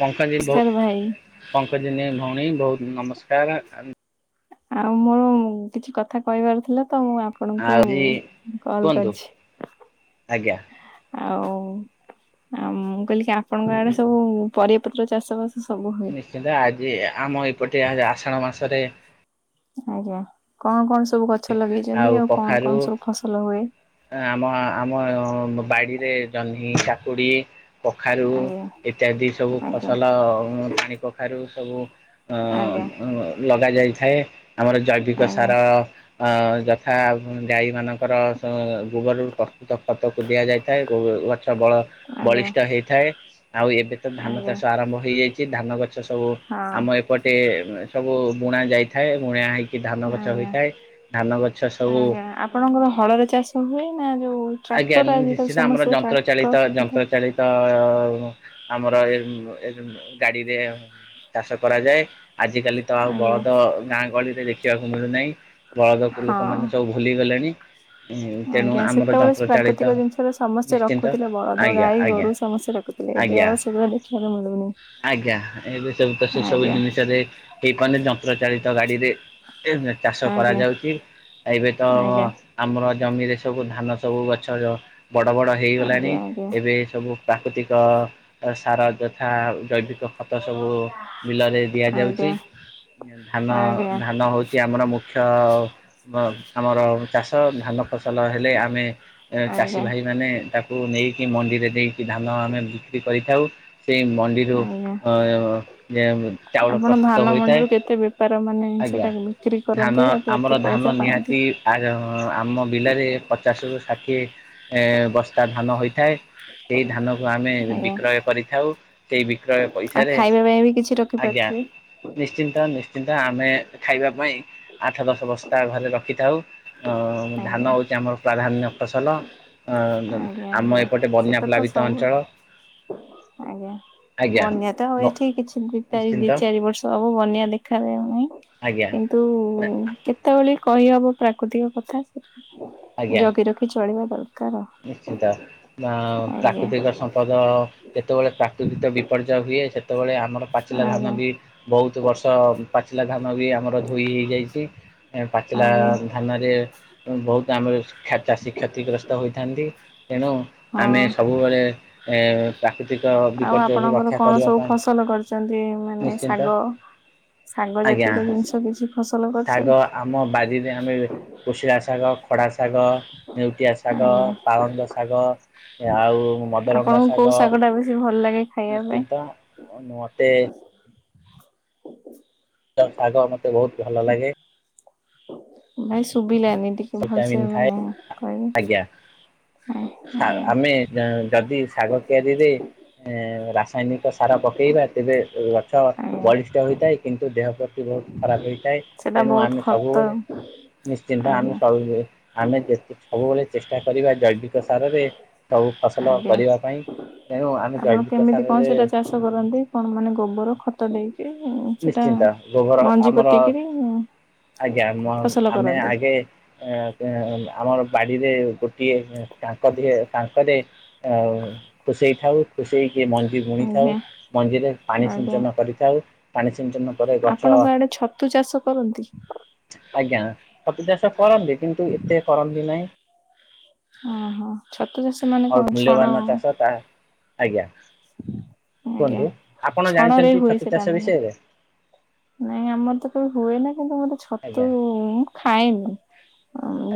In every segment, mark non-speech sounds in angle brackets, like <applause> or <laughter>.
ପଙ୍କଜିନି ଭଉ ନମସ୍କାର ଭାଇ ପଙ୍କଜିନି ଭଉଣୀ ବହୁତ୍ ନମସ୍କାର୍। ଆଉ ମୋର କିଛି କଥା କହିବାର ଥିଲା ତ ମୁଁ ଆ ଆପଣଙ୍କୁ ଆଜି କଲ୍ କୁହନ୍ତୁ। କରିଛି। ଆଜ୍ଞା ଆଉ ଆଉ ମୁଁ କହିଲି କି ଆପଣଙ୍କ ଆଡେ ସବୁ ପରିବାପତ୍ର ଚାଷ ବାସ ସବୁ ହୁଏ କିନ୍ତୁ ଆଜି ଆମ ଏପଟେ ଆଷାଢ ମାସରେ ଆଜ୍ଞା କଣ କଣ ସବୁ ଗଛ ଲଗେଇଚନ୍ନ୍ତି ଆଉ କଣ କଣ ସବୁ ଫସଲ ହୁଏ? ଆମ-ଆମ ବାଡିରେ ଜହ୍ନି, କାକୁଡ଼ି, କଖାରୁ ଆଜ୍ଞା ଇତ୍ୟାଦି ସବୁ ଆଜ୍ଞା ଫସଲ ପାଣି କଖା ଖାରୁ ସବୁ ଅ ଆଜ୍ଞା ଲଗା ଯାଇଥାଏ ଆମର ଜୈବିକ ଆଜ୍ଞା ସାର ଅ ଯଥା ଆଉ କଣ ଗାଈ ମାନଙ୍କର ସ ଗୋବରରୁ କ ଖତକୁ ଦିଆଯାଇଥାଏ ଗଛ ବଳ ଆଜ୍ଞା ବଳିଷ୍ଠ ହେଇଥାଏ। ଆଉ ଏବେ ତ ଧାନ ଆଜ୍ଞା ଚାଷ ଆରମ୍ଭ ହେଇଯାଇଚି ଧାନ ଗଛ ଛସବୁ ହଁ। ଆମ ଏପଟେ ସବୁ ବୁଣା ଯାଇଥାଏ ବୁଣା ହେଇିକି କି ଧାନ ଗଛ ଆଜ୍ଞା ହୋଇଥାଏ ଧାନ ଗଛ ସବୁ ଆଜ୍ଞା ଆପଣଙ୍କର ହଳରେ ଚାଷ ହୁଏ ନା ଯୋଉ ଆଜ୍ଞା ଟ୍ରାକ୍ଟର ଆଜିକାଲି ନିଶ୍ଚତ ଆମର ସମସ୍ତେ ଯନ୍ତ୍ର ଟ୍ରାକ୍ଟର ଚାଳିତ ଯନ୍ତ୍ର ଚାଳିତ ଅ-ଅ-ଆଉ ଆମର ଏ ଗାଡିରେ ଚାଷ କରାଯାଏ ଆଜିିକାଲି ତ ଆଉ ଆଜ୍ଞା ବଳଦ ଗାଁ ଗହଳିରେ ଦେଖିବାକୁ ମିଳୁନାହିଁ ବଳଦକୁ ହଁ। ଲୋକମାନେ ସବୁ ଭୁଲି ଗଲେଣି ତେଣୁ ଆଜ୍ଞା ଆମର ଯ ସେତେବେଳେ ପ୍ରାକୃତିକ ଜିନିଷରେ ସମସ୍ତେ ରଖୁଥିଲେ ବଳଦ ଆଜ୍ଞା ଗାଈ ଆଜ୍ଞା ଗୋରୁ ସମସ୍ତେ ରଖୁଥିଲେ ଏବେ ଆଜ୍ଞା ଆଉ ସେଗୁଡ଼ା ଦେଖିବାକୁ ମିଳୁନି। ଆଜ୍ଞା ଏବେ ସବୁ ତ ସେ ସବୁ ଆଜ୍ଞା ଜିନିଷରେ ରେ ହେଇପାରୁନି ଯନ୍ତ୍ର ଚାଳିତ ଗାଡିରେ ଚାଷ ଆଜ୍ଞା କରାଯାଉଚି ଏବେ ତ ଆଜ୍ଞା। ଆମର ଜମିରେ ସବୁ ଧାନ ସବୁ ଗଛ ବଡ-ବଡ ହେଇଗଲାଣି ଆଜ୍ଞା ଆଜ୍ଞା ଏବେ ସବୁ ପ୍ରାକୃତିକ ସାର ଯଥା ଜୈବିକ ଖତ ସବୁ ବିଲରେ ଆଜ୍ଞା ଦିଆଯାଉଚି। ଆଜ୍ଞା ଧାନ-ଧାନ ହୋଉଚି ଆମର ମୁଖ୍ୟ ଆମର ଚାଷ ଧାନ ଫସଲ ହେଲେ ଆମେ ଚାଷୀ ଆଜ୍ଞା ଭାଇ ମାନେ ତାକୁ ନେଇକି ମଣ୍ଡିରେ ଦେଇକି ଧାନ ଆମେ ବିକ୍ରି କରିଥାଉ। ସେଇ ମଣ୍ଡିରୁ ଆଜ୍ଞା। ଅ ଯେ ଚାଉଳ ଆପଣ ପ୍ରସ୍ତୁତ ଧାନ ହୋଇଥାଏ ମଣ୍ଡିରୁ କେତେ ବେପାର ମାନେ ଆଜ୍ଞା ସେଟା ବିକ୍ରି ଧାନ କରନ୍ତି ଆଉ ଆମର କେତେ ଧାନ ପଇସା ପାଆନ୍ତି? ନିହାତି ଆର ଆମ ବିଲାରେ ପଚାଶରୁ ଷାଠିଏ ଏ ବସ୍ତା ଧାନ ହୋଇଥାଏ ଏଇ ଧାନକୁ ଆମେ ଆଜ୍ଞା ବିକ୍ରୟ କରିଥାଉ। ସେଇ ବିକ୍ରୟ ଆଉ ପଇସାରେ ଖାଇବା ପାଇଁ ବି କିଛି ଆଜ୍ଞା ରଖିପାରୁଥିବେ ନିଶ୍ଚିନ୍ତ-ନିଶ୍ଚିନ୍ତ ଆମେ ଖାଇବା ପାଇଁ ଆଠ ଦଶ ବସ୍ତା ଘରେ ରଖିଥାଉ। ଅ ଧାନ ଆଜ୍ଞା ହୋଉଚି ଆମର ପ୍ରାଧାନ୍ୟ ଫସଲ ଆଜ୍ଞା ଆମ ଆଜ୍ଞା। ଏପଟେ ବନ୍ୟା ସେଟା ତ ପ୍ଲାବିତ ସବୁ ଅଞ୍ଚଳ ଆଜ୍ଞା। ଆଜ୍ଞା। ବନ୍ୟା ତ ଆଉ ବ ଏଠି କିଛି ଦିତାରି ନିଶ୍ଚିନ୍ତ ଦିଇ ଚାରି ବର୍ଷ ହବ ବନ୍ୟା ଦେଖାାଯାଉନାହିଁ। ଆଜ୍ଞା କିନ୍ତୁ କେତେବେଳେ କହିହବ ପ୍ରାକୃତିକ କଥା ଆଜ୍ଞା ଜଗି ରଖି ଚଳିବା ଦରକାର। ନିଶ୍ଚିନ୍ତ ନା ଆଉ ଆଜ୍ଞା ପ୍ରାକୃତିକ ସମ୍ପଦ ଯେତେବେଳେ ପ୍ରାକୃତିକ ବିପର୍ଯ୍ୟୟ ହୁଏ ସେତେବେଳେ ଆମର ପାଚିଲା ଧାନ ଆଜ୍ଞା ବି ବୋହୁତ ବର୍ଷ ପାଚିଲା ଧାନ ବି ଆମର ଧୋଇ ହେଇ ଯାଇଚି ପାଚିଲା ଆଜ୍ଞା ଧାନରେ ବୋହୁତ ଆମର ଚାଷୀ କ୍ଷତିଗ୍ରସ୍ତ ହୋଇଥାଏ। ତେଣୁ ଆମେ ହଁ। ସବୁବେଳେ ଏ ପ୍ରାକୃତି ଆଉ ଆପଣଙ୍କର କଣ ସବୁ ଫସଲ କରିଚନ୍ତି ମାନେ ନିଶ୍ଚିନ୍ତ ଶାଗ ସାଙ୍ଗ ଆଜ୍ଞା। ଜେତିକ ଜିନିଷ କିଛି ଫସଲ ଶାଗ କରିଛନ୍ତି? ଆମ ବାରିରେ ଆମେ କୁଶିଳା ଶାଗ ଖଡା ଶାଗ ନେଉଟିଆ ଶାଗ ଆଜ୍ଞା ପାଳଙ୍ଗ ଶାଗ ଆଉ ମଦରଙ୍ଗା ଆପଣଙ୍କୁ କୋଉ ଶାଗ ଟା ବେଶୀ ଭଲ ଲାଗେ ଖାଇବା ପାଇଁ? ନିଶ୍ଚିନ୍ତ ଉଁ ମତେ ତ ଶାଗ ମତେ ବହୁତ ଭଲ ଲାଗେ। ଭାଇ ଶୁଭିଲାନି ଟିକେ ଭଲସେ ଭିଟାମିନ୍ ଥାଏ ମାନେ କହିବେ। ଶା ଆଜ୍ଞା ଆମେ ଯଦି ଶାଗ କିତିଆରିରେ ଏଁ ରାସାୟନିକ ସାର ପକେଇବା। ତେବେ ଗଛ ଆଜ୍ଞା। ବଳିଷ୍ଠ ହୋଇଥାଏ କିନ୍ତୁ ଦେହ ପ୍ରତି ବହୁତ ଖରାପ ହେଇଥାଏ ସେଟା ତେଣୁ ବହୁତ ଆମେ ଖତ ସବୁବେଳେ ନିଶ୍ଚିନ୍ତ ଆମେ ଆଜ୍ଞା ସବୁ ଆମେ ଯେତେ ସବୁବେଳେ ଚେଷ୍ଟା କରିବା ଜୈବିକ ସାରରେ ସବୁ ଫସଲ ଆଜ୍ଞା। କରିବା ପାଇଁ ତେଣୁ ଆମେ ଆପଣ ଜୈବିକ କେମିତି କଣ ସାରରେ ସେଇଟା ଚାଷ କରନ୍ତି କଣ ମାନେ ଗୋବର ଖତ ଦେଇ। ନିଶ୍ଚିନ୍ତ ଗୋବର ଆମର ପୋତିକିରି ଆଜ୍ଞା ମ ଫସଲ ଆମେ କରନ୍ତି ଆଗେ ଏଁ ଏଁ ଆମର ବାଡିରେ ଗୋଟିଏ କାଙ୍କ ଟିଏ କାଙ୍କରେ ଆଉ ଖୁସେଇ ଥାଉ। ଖୁସେଇକି ମଞ୍ଜି ବୁଣିଥାଉ ଆଜ୍ଞା ମଞ୍ଜିରେ ପାଣି ଆଜ୍ଞା। ଛିଞ୍ଚନ କରିଥାଉ ପାଣି ଛିଞ୍ଚନ ଆପଣଙ୍କ ଆଡେ ଛତୁ ଚାଷ କରନ୍ତି। ଆଜ୍ଞା ଛତୁ ଚାଷ କରନ୍ତି କିନ୍ତୁ ଏତେ କରନ୍ତି ନାହିଁ। ଓହୋ ଛତୁ ଚାଷ ମାନେ ଆଉ କଣ ଛଣ ମୂଲ୍ୟବାନ ଚାଷ ତା ଆଜ୍ଞା। ଆଜ୍ଞା। କୁହନ୍ତୁ ଆପଣ ଛଣରେ ଜାଣିଛନ୍ତି ହୁଏ ଛତୁ ସେଟା ଚାଷ ମାନେ। ବିଷୟରେ। ନାଇଁ ଆମର ତ କେବେ ହୁଏ ନା କିନ୍ତୁ ଗୋଟେ ଛତୁ ଆଜ୍ଞା ମୁଁ ଖାଏନି।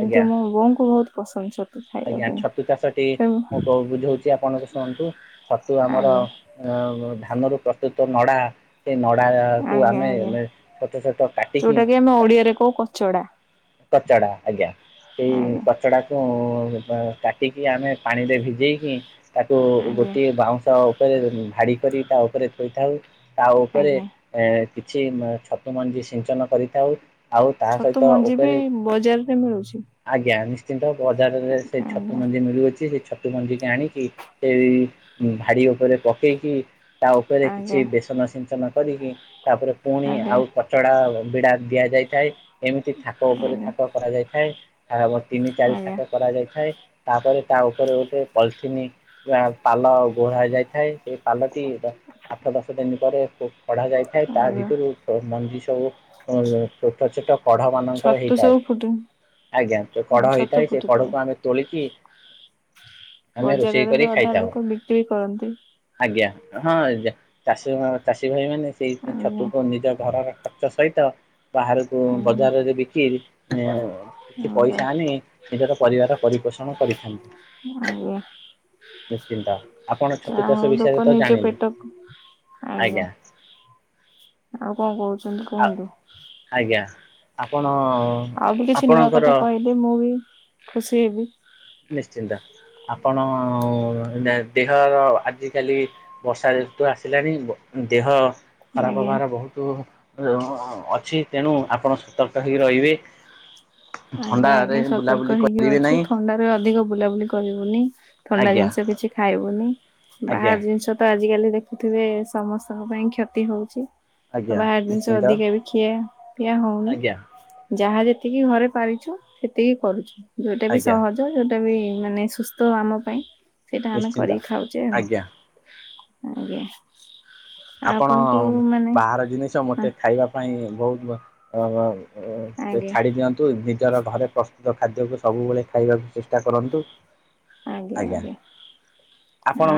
ଆଜ୍ଞା ମୋ ବୋଉଙ୍କୁ ବହୁତ ପସନ୍ଦ ଛ ଆଜ୍ଞା ଛତୁ ଚାଷଟି ମୁଁ କୋଉ ବୁଝୋଉଚି ଆପଣ ଶୁଣନ୍ତୁ ଛତୁ ଆଜ୍ଞା ଆମର ଆଜ୍ଞା ଅ ଧାନରୁ ପ୍ରସ୍ତୁତ ନଡା ସେ ନଡ଼ାକୁ ଆଜ୍ଞା। ଆମେ ଆଜ୍ଞା। ମେ ଛୋଟ ଛୋଟ କାଟିକି ଯୋଉଟା କି ଆମେ ଓଡିଆରେ କୋଉ କଚଡା। କଚଡା ଆଜ୍ଞା। ସେଇ ଆଜ୍ଞା କଚଡାକୁ ଉ କାଟିକି ଆମେ ପାଣିରେ ଭିଜେଇକି ତାକୁ ଆଜ୍ଞା ଗୋଟିଏ ବାଉଁଶ ଉପରେ ଭାଡି କରି ତା ଉପରେ ଥୋଇଥାଉ। ତା ଉପରେ ଆଜ୍ଞା। ଏ କିଛି ଛତୁ ମଞ୍ଜି ସିଞ୍ଚନ କରିଥାଉ ଆଉ ତାହା ଛତୁ ସହିତ ଓ ମଞ୍ଜି ବି ବଜାରରେ ମିଳୁଚି। ଆଜ୍ଞା ନିଶ୍ଚିନ୍ତ ବଜାରରେ ସେଇ ଛତୁ ଆଜ୍ଞା ମଞ୍ଜି ମିଳୁଅଛି ସେ ଛ ସେ ମଞ୍ଜିିକି ଆଣିକି ସେଇ ଭାଡି ଉପରେ ପକେଇକି ତା ଉପରେ କିଛି ଆଜ୍ଞା ବେସନ ସିଞ୍ଚନ କରିକି ତାପରେ ପୁଣି ଆଜ୍ଞା। ଆଉ ଥ ଚଡା ବିଡା ଦିଆଯାଇଥାଏ ଏମିତି ଥାକ ଉପରେ ଆଜ୍ଞା ଥାକ କରାଯାଇଥାଏ। <unintelligible> ତିନି ଚାରି ଆଜ୍ଞା ଥାକ କରାଯାଇଥାଏ ତାପରେ ତା ଉପରେ ଗୋଟେ ପଲଥିନି <unintelligible> ପାଲ ଗୋଳା ଯାଇଥାଏ ସେଇ ପାଲଟି ଆଠ ଦଶ ଦିନ ପରେ କଢା ଯାଇ ଥାଏ ତା ଆଜ୍ଞା। ଭିତରୁ ମଞ୍ଜି ସବୁ ଉଁ ଛୋଟ, ଛୋଟ କଢ ମାନ ଛତୁ ହେଇଥାଏ। ସବୁ ଫୁଟି ଆଜ୍ଞା ଯୋଉ ହଁ କଢ ଛତୁ ହେଇଥାଏ ସେ ଫୁଟିଥାଏ। କଢ଼କୁ ଆମେ ତୋଳିକି ଆମେ ରୋଷେଇ ବଜାରରେ କରି ବି ଅଧା ଖାଇଥାଉ। ଲୋକ ବିକ୍ରି କରନ୍ତି। ଆଜ୍ଞା ହଁ ଚାଷୀ ଚାଷୀ ଭାଇ ମାନେ ସେଇ ଆଜ୍ଞା ଛତୁକୁ ନିଜ ଘରର ଖ ଚ ସହିତ ବାହାରକୁ ଆଜ୍ଞା। ବଜାରରେ ବିକି ଇଁ କିଛି ଆଜ୍ଞା ପଇସା ଆଣି ନିଜର ପରିବାର ପରିପୋଷଣ କରିଥାନ୍ତି। ଆଜ୍ଞା। ନିଶ୍ଚିନ୍ତ ଆପଣ ଛତୁ ଯାହା ଚାଷ ହଉ ବିଷୟରେ ଲୋକ ତ ନିଜ ଜାଣିଲେ ପେଟ ଆଜ୍ଞା। ଆଉ କଣ କହୁଛନ୍ତି ଆ କୁହନ୍ତୁ? ଆଜ୍ଞା, ଆପଣ ଆଉ ବି କିଛି ନୂଆ ଆପଣଙ୍କର କଥା କହିଲେ ମୁଁ ବି ଖୁସି ହେବି। ନିଶ୍ଚିନ୍ତ ଆପଣ ଦେହର ଆଜିିକାଲି ବର୍ଷା ଋତୁ ଆସିଲାଣି ଦେହ ଖରାପ ଆଜ୍ଞା। ହବାର ବହୁତ ଅଛି ତେଣୁ ଆପଣ ସତର୍କ ହେଇକି ରହିବେ। ଆଜ୍ଞା ଥଣ୍ଡାରେ ଆଜ୍ଞା ସତର୍କ ବୁଲାବୁଲି ହେଇକି କରିବେ ଅଛୁ ନାହିଁ। ଥଣ୍ଡାରେ ଅଧିକ ବୁଲାବୁଲି କରିବୁନି, ଥଣ୍ଡା ଆଜ୍ଞା ଜିନିଷ କିଛି ଖାଇବୁନି, ବାହାର ଆଜ୍ଞା ଜିନିଷ ତ ଆଜିକାଲି ଦେଖୁଥିବେ ସମସ୍ତଙ୍କ ପାଇଁ କ୍ଷତି ହଉଛି। ତ ଆଜ୍ଞା ବାହାର ଜିନିଷ ନିଶ୍ଚିନ୍ତ ଅଧିକା ବି ଖିଆ ପିଆ ହଉନି। ଆଜ୍ଞା ଯାହା ଯେତିକି ଘରେ ପାରିଛୁ ସେତିକି କରୁଛୁ ଯଉଟା ବି ଆଜ୍ଞା ସହଜ ଯୋଉଟା ବି ମାନେ ସୁସ୍ଥ ଆମ ପାଇଁ ସେଇଟା ଆମେ ନିଶ୍ଚିନ୍ତ କରିକି ଖାଉଛେ ଆଉ। ଆଜ୍ଞା ଆଜ୍ଞା। ଆପଣ ଆପଣଙ୍କୁ ମାନେ ବାହାର ଜିନିଷ ମ ତେ ଖାଇବା ପାଇଁ ବହୁତ ଆଜ୍ଞା ଛାଡ଼ି ଦିଅନ୍ତି। ନିଜର ଘରେ ପ୍ରସ୍ତୁତ ଖାଦ୍ୟକୁ ସବୁବେଳେ ଖାଇବାକୁ ଚେଷ୍ଟା କରନ୍ତୁ। ଆଜ୍ଞା,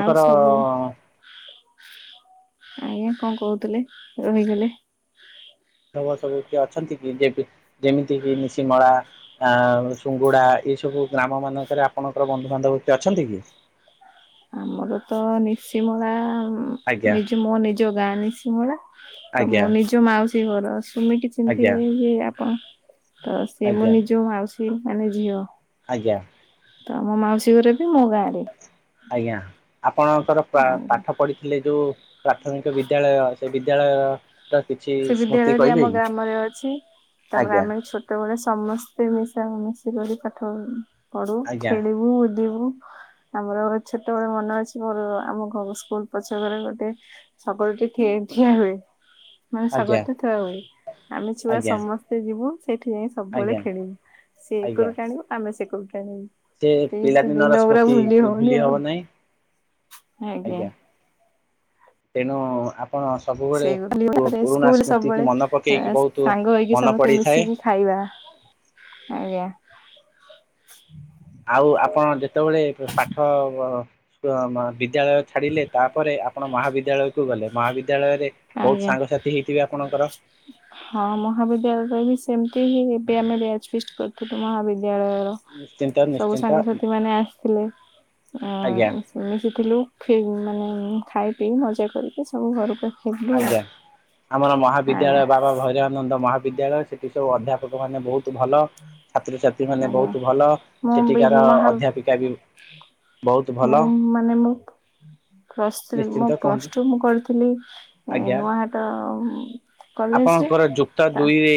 ଆଉ ସବୁ ଆଜ୍ଞା କଣ କହୁଥିଲେ ରହିଗଲେ? ଲୋକ ସବୁ କିଏ ଅଛନ୍ତି କି ଯେମିତି କି ନିଶିମଳା ଆ ସୁଙ୍ଗୁଡା ଏଇ ସବୁ ଗ୍ରାମ ମାନଙ୍କରେ ଆପଣଙ୍କର ବନ୍ଧୁବାନ୍ଧବ କି ଅଛନ୍ତି କି? ଆମର ତ ନିଶିମଳା ଆଜ୍ଞା ନିଜ ମୋ ନିଜ ଗାଁ ନିଶିମଳା ତ ଆଜ୍ଞା ମୋ ନିଜ ମାଉସୀ ଘର ସୁମିତି ଆଜ୍ଞା ଚିହ୍ନିଥିବେ ଯେ ଆପଣ ତ ସିଏ ମୋ ଆଜ୍ଞା ନିଜ ମାଉସୀ ମାନେ ଝିଅ। ଆଜ୍ଞା। ତ ମୋ ମାଉସୀ ଘରେ ବି ମୋ ଗାଁରେ। ଆଜ୍ଞା! ଆପଣଙ୍କର ଆଜ୍ଞା ପାଠ ପଢିଥିଲେ ଯୋଉ ପ୍ରାଥମିକ ବିଦ୍ୟାଳୟ ବିଦ୍ୟାଳୟ। ର କିଛି ସେ ସ୍ମୃତି ବିଦ୍ୟାଳୟଟି କହିବେ ଆମ କି? ଗ୍ରାମରେ ଅଛି ତାପରେ ଆଜ୍ଞା ଆମେ ଛୋଟ ସେତେବେଳେ ସମସ୍ତେ ମିଶା ମିଶିକରି ପାଠ ପଢୁ, ଆଜ୍ଞା ଖେଳିବୁ, ବୁଲିବୁ। ଆମର ଛୋଟବେଳେ ମନେ ଅଛି ମୋର ଆମ ଘର ସ୍କୁଲ ପଛ ଘରେ ଗୋଟେ ଶଗଡ଼ଟି ଏ ଠିଆ ହୁଏ। ମାନେ ଆଜ୍ଞା ଶଗଡ଼ଟା ଥୁଆ ହୁଏ। ଆମେ ଛୁଆ ଆଜ୍ଞା ସମସ୍ତେ ଯିବୁ ସେଇଠି ଯାଇ ସବୁବେଳେ ଆଜ୍ଞା ଖେଳିବୁ ସିଏ ଆଜ୍ଞା। ଏକରୁ ଟାଣିବୁ ଆମେ ସେ କରୁ ଟାଣିବୁ। ସେ ସେଇ ପିଲାଦିନର ଦିନ ଗୁରା ସ୍ମୃତି ଭୁଲି ହଉନି ହବ ଆଉ। ନାହିଁ ଆଜ୍ଞା। ତେଣୁ ଆପଣ ସବୁବେଳେ ସେଇ ତାପରେ ପୁରୁଣା ସ୍କୁଲ ସ୍ମୃତିକୁ ସବୁବେଳେ ମନେ ଏ ପକେଇକି ବହୁତ ସାଙ୍ଗ ହେଇକି ମନ ସମସ୍ତେ ପଡ଼ିଥାଏ। ମିଶିକି ଖାଇବା ଆଜ୍ଞା। ଆଉ ଆପଣ ଯେତେବେଳେ ପାଠ ବିଦ୍ୟାଳୟ ଛାଡିଲେ ତାପରେ ଆପଣ ମହାବିଦ୍ୟାଳୟକୁ ଗଲେ ମହାବି ବିଦ୍ୟାଳୟରେ ବହୁତ ଆଜ୍ଞା ସାଙ୍ଗସାଥି ହେଇଥିବେ ଆପଣଙ୍କର? <inaudible> ହଁ ମହାବିଦ୍ୟାଳୟରେ ବି ସେମିତି ହିଁ ଏବେ ଆମେ ବ୍ୟାଚ୍ ଫିଷ୍ଟ କରିଥିଲୁ ମହାବିଦ୍ୟାଳୟର। ନିଶ୍ଚିନ୍ତ ସବୁ ନିଶ୍ଚିନ୍ତ ସାଙ୍ଗସାଥି ମାନେ ଆସଥିଲେ ଆଜ୍ଞା ଆଉ ମିଶିଥିଲୁ ଫି ମାନେ ଖାଇ ପିଇ ମଜା କରିକି ସବୁ ଘରୁକୁ ଆ ଆଜ୍ଞା ଆମର ଆଜ୍ଞା ମହାବିଦ୍ୟାଳୟ ବାବା ଭୈରାନନ୍ଦ ମହା ବିଦ୍ୟାଳୟ ସେଠି ସବୁ ଅଧ୍ୟାପକମାନେ ବହୁତ ଭଲ ଛାତ୍ରଛାତ୍ରୀ ମାନେ ଆଜ୍ଞା। ବହୁତ ଭଲ ମୁଁ ବି ସେଠିକାର ମହା ଅଧ୍ୟାପିକା ବି। ବହୁତ ଭଲ ମୁଁ ମାନେ ମୁଁ ପ୍ଲସ୍ ଥ୍ରୀ ମୋ ନିଶ୍ଚିନ୍ତ ପ୍ଲସ୍ କୁହନ୍ତୁ ଟୁ ମୁଁ କରିଥିଲି ଆଜ୍ଞା ନୂଆହାଟ କଲେଜରେ ଆପଣଙ୍କର ଯୁକ୍ତ ତା ଦୁଇ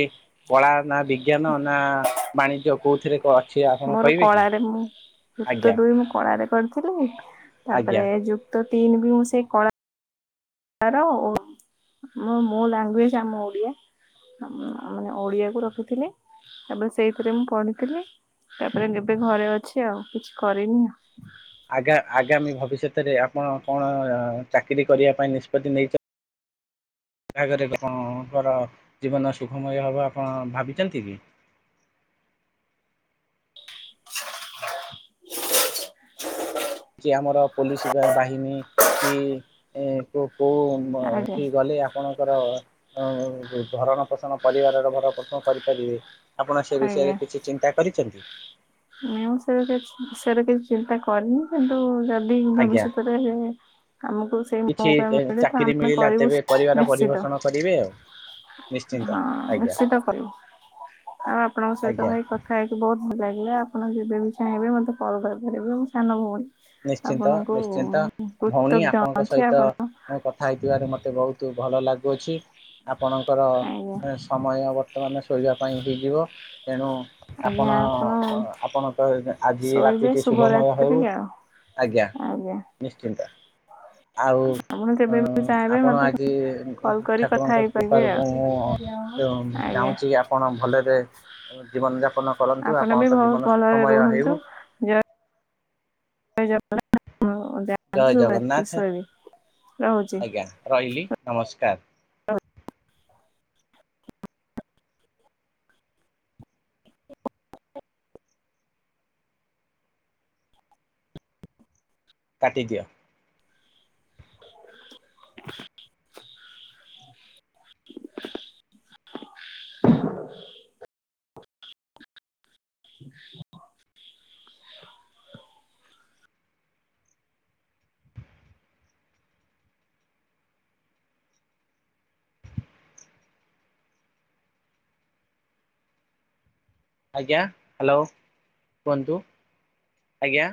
କଳା ନା ବିଜ୍ଞାନ ନା ବାଣିଜ୍ୟ କୋଉଥିରେ କ ମୋର କଳାରେ ମୁଁ। ଯୁକ୍ତ ଆଜ୍ଞା ଦୁଇ ମୁଁ କଳାରେ କରଥିଲି ଆଜ୍ଞା ତାପରେ ଯୁକ୍ତ ତିନି ବି ମୁଁ ସେଇ କଳା ତାର ଓ ମୁଁ ମୋ ଲାଙ୍ଗୁଏଜ ଆମ ଓଡିଆ। ଅଁ ଉ ମାନେ ଓଡିଆକୁ ରଖିଥିଲି। ତାପରେ ସେଇଥିରେ ମୁଁ ପଡିଥିଲି ତାପରେ ଏବେ ଘରେ ଅଛି ଆଉ କିଛି କରିନି। ଆଗା-ଆଗାମୀ ଭବିଷ୍ୟତରେ ଆପଣ କଣ ଚାକିରୀ କରିଆ ପାଇଁ ନିଷ୍ପତ୍ତି ନେଇଚ? ବାହାଘରେ ଆପଣଙ୍କର ଜୀବନ ସୁଖମୟ ହବ ଆପଣ ଭାବିଚନ୍ତି କି? କି ଆମର ପୋଲିସ ବା-ବାହିନୀ କି ଏ କୋ-କୋଉଁ ବ ଆଜ୍ଞା ସିଏ ଗଲେ ଆ ଆପଣଙ୍କର ଅ ବ ଭରଣ ପୋଷଣ ପରିବାରର ଭରଣ ପୋଷଣ କରିପାରିବେ। ଆପଣ ସେ ଆଜ୍ଞା। ବିଷୟରେ କିଛି ଚିନ୍ତା କରିଚନ୍ତି? ନା ମୁଁ ସେ ବେ ଉଁ ସେ ବେ କିଛି ଚିନ୍ତା କରିନି କିନ୍ତୁ ଯଦି ଆଜ୍ଞା ଭବିଷ୍ୟତରେ ଆମୁକୁ ସେଇ କିଛି ମଉକା ମିଳେ ତ ଚାକିରି ଆମେ ମିଳିଲା କରିବୁ ତେବେ ପରିବାର ନିଶ୍ଚିତ। ପରିପୋଷଣ କରିବେ ଆଉ ନିଶ୍ଚିନ୍ତ ହଁ ଆଜ୍ଞା। ନିଶ୍ଚିତ କରିବୁ ଆଉ ଆପଣଙ୍କ ସହିତ ଆଜ୍ଞା ଭାଇ କଥା ହେଇ ବହୁତ ଭଲ ଲାଗିଲା ଆପଣ ଯେବେ ବିି ଚାହିଁବେ ମତେ କଲ କରିପାରିବେ ମୁଁ ସାନ ଭଉଣୀ। ନିଶ୍ଚିନ୍ତ ଆପଣଙ୍କୁ ନିଶ୍ଚିନ୍ତ। ଭଉଣୀ କୃତଜ୍ଞ ଆପଣଙ୍କ ଅଛି ସହିତ ଆପଣ ମୁଁ କଥା ହେଇଥିବାରୁ ମତେ ବହୁତ ଭଲ ଲାଗୁଅଛି। ଆପଣଙ୍କର ଆଜ୍ଞା ଏଁ ସମୟ ବର୍ତ୍ତମାନ ଶୋଇବା ପାଇଁ ହେଇଯିବ। ତେଣୁ ଆପଣ ଅ ଆପଣଙ୍କ ଆଜି ଶୋଇବେ ରାତିଟି ଶୁଭମୟ ହେଉ। ଶୁଭରାତ୍ରି ଆଉ ଆଜ୍ଞା ନିଶ୍ଚିନ୍ତ। ଆଉ ଆପଣ ଅଁ ଯେବେ ବି ଚାହିଁବେ ଆପଣ ମତେ ଆଜି କଲ୍ କରି କଥା ଠାକୁରଙ୍କ ହେଇପାରିବେ କୃପାରୁ ଆଉ ମୁଁ ଅ ତେଣୁ ଆଜ୍ଞା। ଚାହୁଁଚି ଆପଣ ଭଲରେ ଜୀବନ ଯା ଆପଣ ବି ବହୁତ ଭଲରେ ହେଉ ରୁହନ୍ତୁ ଯ <inaudible> ଜୟ ଶୁଭରାତ୍ରି ଜଗନ୍ନାଥ୍ ଶୋଇବି ରହୁଛି। ଆଜ୍ଞା ରହିଲି ନମସ୍କାର। କାଟି ଦିଅ। <inaudible> <inaudible> <inaudible> ଆଜ୍ଞା ହାଲୋ କୁହନ୍ତୁ ଆଜ୍ଞା।